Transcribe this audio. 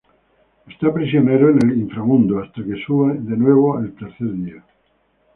Está prisionero en el inframundo hasta que sube de nuevo, al tercer día.